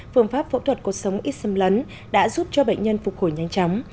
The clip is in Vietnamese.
phương pháp phẫu thuật cuộc sống ít xâm lấn đã giúp cho bệnh nhân phục hồi nhanh chóng